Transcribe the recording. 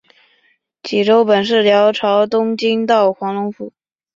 济州本是辽朝东京道黄龙府。